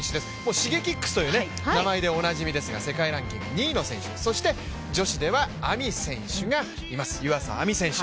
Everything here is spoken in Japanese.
Ｓｈｉｇｅｋｉｘという名前でおなじみですが世界ランキング２位の選手、そして女子ではＡＭＩ選手がいます、湯浅亜美選手。